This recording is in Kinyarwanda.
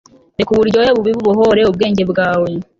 reka uburyohe bubi bubohore ubwenge bwawe